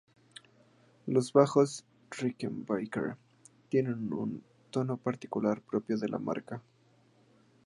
Los bajos Rickenbacker tienen un tono particular, propio de la marca.